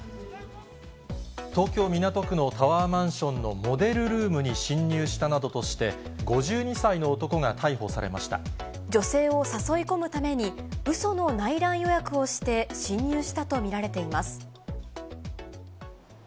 東京・港区のタワーマンションのモデルルームに侵入したなどとして、５２歳の男が逮捕されま女性を誘い込むために、うその内覧予約をして侵入したと見られています。